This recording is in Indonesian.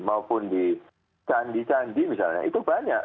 maupun di candi candi misalnya itu banyak